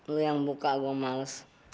lo yang buka gua males